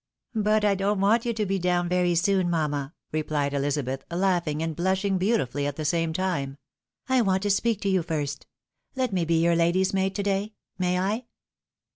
"But I don't want you to be down very soon, mamma,'' replied Ehzabeth, laughing and blushing beautifully at the same time. " I want to speak to you first. Let me be your lady's maid to day, may I?